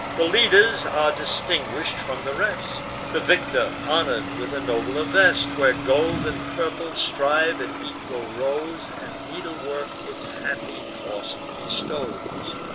The leaders are distinguish'd from the rest; The victor honour'd with a nobler vest, Where gold and purple strive in equal rows, And needlework its happy cost bestows.